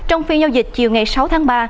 trong phiên giao dịch chiều ngày sáu tháng ba